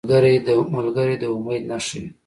ملګری د امید نښه وي